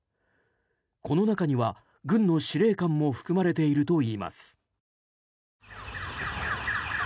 この中には軍の司令官も含まれているといいます。